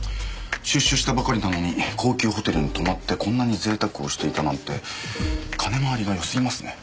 出所したばかりなのに高級ホテルに泊まってこんなに贅沢をしていたなんて金回りがよすぎますね。